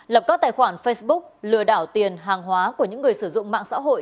lập các tài khoản facebook lừa đảo tiền hàng hóa của những người sử dụng mạng xã hội